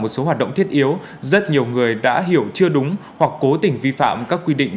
một số hoạt động thiết yếu rất nhiều người đã hiểu chưa đúng hoặc cố tình vi phạm các quy định